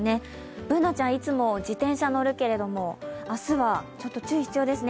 Ｂｏｏｎａちゃん、いつも自転車乗るけども、明日はちょっと注意必要ですね。